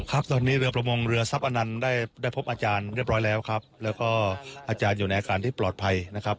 ครับตอนนี้เรือประมงเรือทรัพย์อนันต์ได้พบอาจารย์เรียบร้อยแล้วครับแล้วก็อาจารย์อยู่ในอาการที่ปลอดภัยนะครับ